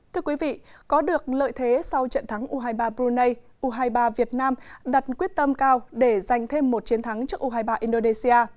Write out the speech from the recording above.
thưa quý vị có được lợi thế sau trận thắng u hai mươi ba brunei u hai mươi ba việt nam đặt quyết tâm cao để giành thêm một chiến thắng cho u hai mươi ba indonesia